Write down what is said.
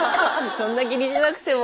そんな気にしなくても。